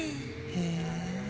へえ。